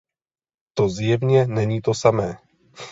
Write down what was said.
To zjevně není to samé.